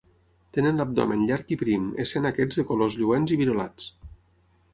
Tenen l'abdomen llarg i prim, essent aquests de colors lluents i virolats.